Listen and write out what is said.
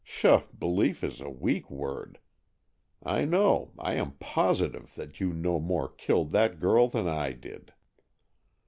Pshaw, belief is a weak word! I know, I am positive, that you no more killed that girl than I did!"